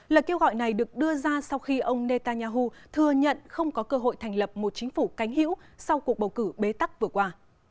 lời kêu gọi này được đưa ra sau khi ông netanyahu thừa nhận không có cơ hội thành lập một chính phủ cánh hữu sau cuộc bầu cử bế tắc vừa qua